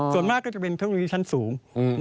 ส่วนมากจะเป็นเพราะว่ามีชั้นสูง